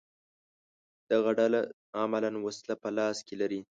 دغه ډله عملاً وسله په لاس کې لري